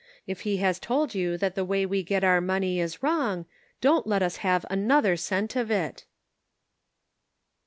If he has told you that the way we get our money is wrong, don't let us have another cent of it."